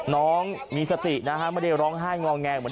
น้องมีสตินะฮะไม่ได้ร้องไห้มองแงง